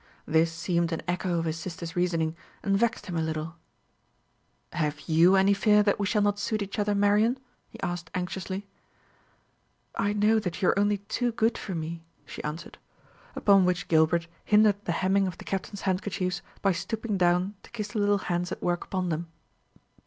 This seemed an echo of his sister's reasoning, and vexed him a little. "Have you any fear that we shall not suit each other, Marian?" he asked anxiously. "I know that you are only too good for me," she answered. Upon which Gilbert hindered the hemming of the Captain's handkerchiefs by stooping down to kiss the little hands at work upon them.